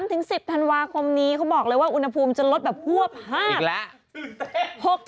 ๑๐ธันวาคมนี้เขาบอกเลยว่าอุณหภูมิจะลดแบบฮวบ๕แล้ว